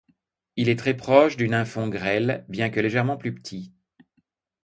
Il est très proche du Nymphon grêle, bien que légèrement plus petit.